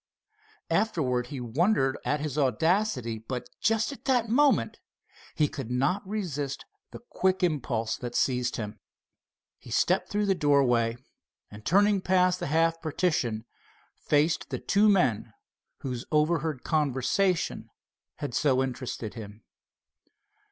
Afterwards he wondered at his audacity, but just at that moment he could not resist the quick impulse that seized him. He stepped through the doorway and turning past a half partition, faced the two men whose overheard conversation had so interested him.